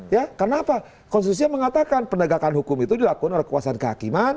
ya karena apa konstitusinya mengatakan pendegakan hukum itu dilakukan oleh kekuasaan kehakiman